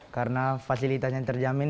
karena fasilitasnya terjamin